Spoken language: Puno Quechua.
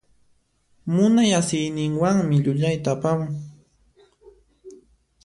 Munay asiyninwanmi llullayta apamun.